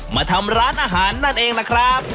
มาทำร้านอาหารนั่นเองนะครับ